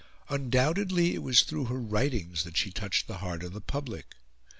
Undoubtedly it was through her writings that she touched the heart of the public.